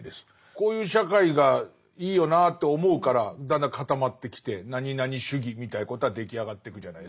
こういう社会がいいよなって思うからだんだん固まってきて何々主義みたいなことは出来上がってくじゃないですか。